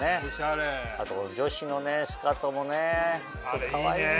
あと女子のスカートもねかわいいんだよ！